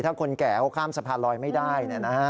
ถ้าคนแก่เขาข้ามสะพานลอยไม่ได้